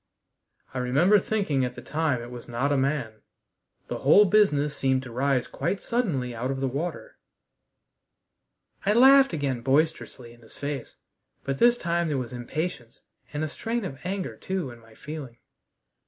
I remember thinking at the time it was not a man. The whole business seemed to rise quite suddenly out of the water." I laughed again boisterously in his face, but this time there was impatience and a strain of anger too, in my feeling.